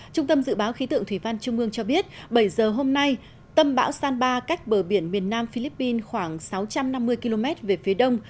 trung tâm dự báo khí tượng thủy văn trung ương cho biết bảy giờ hôm nay tâm bão san ba cách bờ biển miền nam philippines khoảng sáu trăm năm mươi km về phía đông